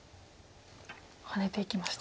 ハネていきました。